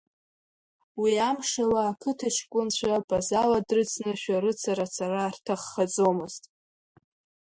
Уи амшала ақыҭа аҷкәынцәа Базала дрыцны шәарацара ацара рҭаххаӡомызт.